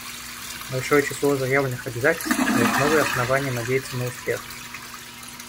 Большое число заявленных обязательств дает новые основания надеяться на успех.